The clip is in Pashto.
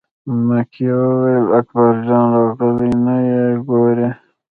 مکۍ وویل: اکبر جان راغلی نه یې ګورې.